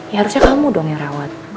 ya harusnya kamu dong yang rawat